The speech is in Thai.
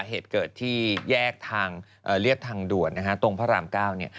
เหตุเกิดที่แยกทางเรียบทางด่วนนะฮะตรงพระรามเก้าเนี่ย